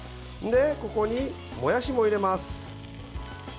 ここに、もやしも入れます。